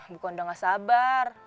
bukan udah gak sabar